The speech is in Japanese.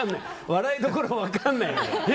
笑いどころが分からない。